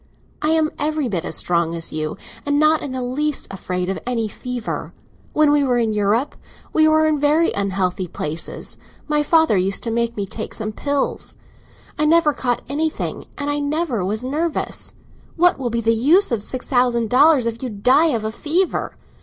I am every bit as strong as you, and not in the least afraid of any fever. When we were in Europe, we were in very unhealthy places; my father used to make me take some pills. I never caught anything, and I never was nervous. What will be the use of six thousand dollars if you die of a fever?